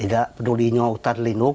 tidak peduli hutan lindung